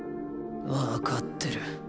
分かってる。